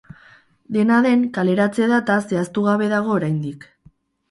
Dena den, kaleratze-data zehaztu gabe dago oraindik.